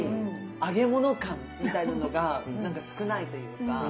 揚げ物感みたいなのが少ないというか。